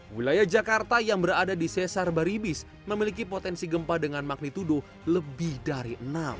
wilayah jakarta yang berada di sesar baribis memiliki potensi gempa dengan magnitudo lebih dari enam